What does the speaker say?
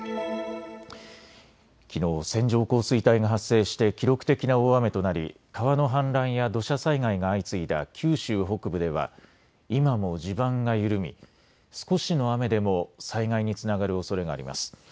きのう線状降水帯が発生して記録的な大雨となり川の氾濫や土砂災害が相次いだ九州北部では今も地盤が緩み、少しの雨でも災害につながるおそれがあります。